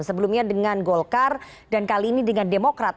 sebelumnya dengan golkar dan kali ini dengan demokrat